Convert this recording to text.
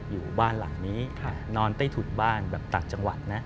อยู่บ้านหลังนี้นอนใต้ถุนบ้านแบบต่างจังหวัดนะ